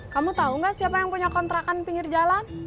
kamu tahu nggak siapa yang punya kontrakan pinggir jalan